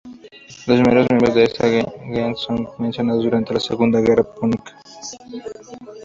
Los primeros miembros de esta gens son mencionados durante la segunda guerra púnica.